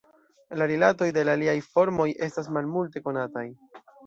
La rilatoj de la aliaj formoj estas malmulte konataj.